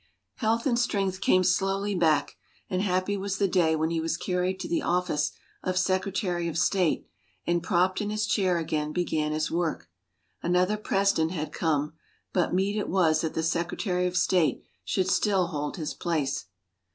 Health and strength came slowly back, and happy was the day when he was carried to the office of Secretary of State and, propped in his chair, again began his work. Another President had come, but meet it was that the Secretary of State should still hold his place.